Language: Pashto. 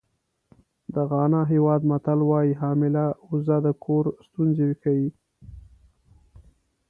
د غانا هېواد متل وایي حامله اوزه د کور ستونزې ښیي.